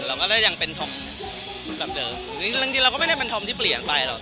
เราก็เลยยังเป็นธอมแบบเดิมจริงจริงเราก็ไม่ได้เป็นธอมที่เปลี่ยนไปหรอก